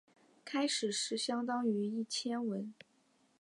开始是相当于一千文。